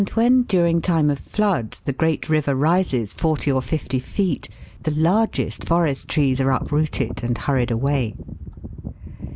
when, during time of flood, the great river rises forty or fifty feet, the largest forest trees are uprooted and hurried away.